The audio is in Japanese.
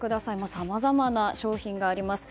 さまざまな商品があります。